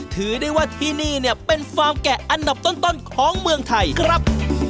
ถือได้ว่าที่นี่เนี่ยเป็นฟาร์มแกะอันดับต้นของเมืองไทยครับ